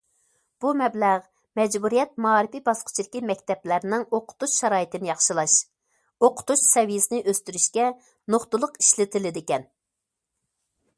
بۇ مەبلەغ مەجبۇرىيەت مائارىپى باسقۇچىدىكى مەكتەپلەرنىڭ ئوقۇتۇش شارائىتىنى ياخشىلاش، ئوقۇتۇش سەۋىيەسىنى ئۆستۈرۈشكە نۇقتىلىق ئىشلىتىلىدىكەن.